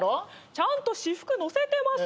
ちゃんと私服載せてます。